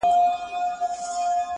o د الماسو یو غمی وو خدای راکړی,